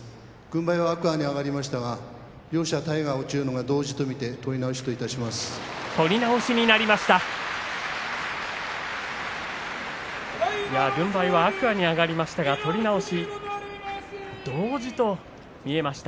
軍配は天空海に上がりましたが両者、体が落ちるのが同時と見て取り直しといたします。